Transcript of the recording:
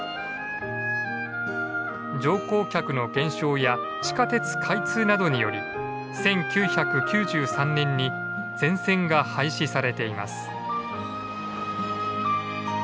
乗降客の減少や地下鉄開通などにより１９９３年に全線が廃止されています。